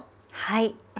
はい。